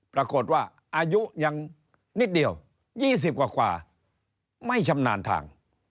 ปรากฏว่าอายุยังนิดเดียว๒๐กว่าไม่ชำนาญทาง